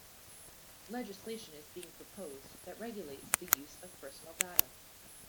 Legislation is being proposed that regulates the use of personal data.